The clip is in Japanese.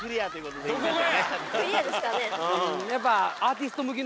クリアですかね。